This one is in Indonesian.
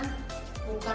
hingga sekarang apa mel